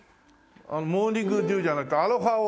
『モーニング・デュー』じゃなくて『アロハ・オエ』。